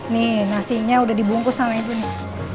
nih nasinya udah dibungkus sama ibu nih